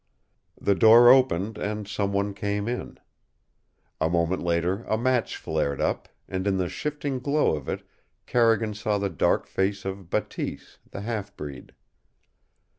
The door opened, and some one came in. A moment later a match flared up, and in the shifting glow of it Carrigan saw the dark face of Bateese, the half breed.